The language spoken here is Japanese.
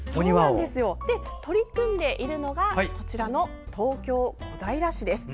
取り組んでいるのがこちらの東京・小平市です。